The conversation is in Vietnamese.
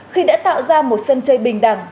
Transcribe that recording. khi đã tạo ra một sân chơi bình đẳng